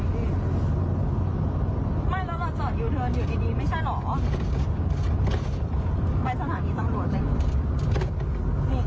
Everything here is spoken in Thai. และฉาแม่ง